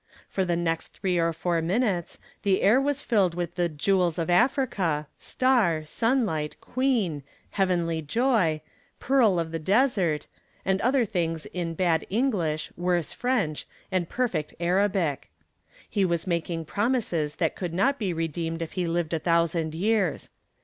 For the next three or four minutes the air was filled with the "Jewels of Africa," "Star," "Sunlight," "Queen," "Heavenly Joy," "Pearl of the Desert," and other things in bad English, worse French, and perfect Arabic. He was making promises that could not be redeemed if he lived a thousand years.